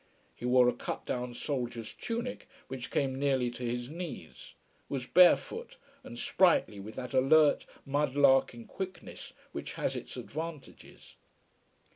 He wore a cut down soldier's tunic which came nearly to his knees, was barefoot, and sprightly with that alert mudlarking quickness which has its advantages.